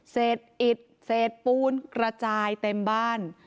เศษอิดเศษปูนกระจายเต็มบ้าน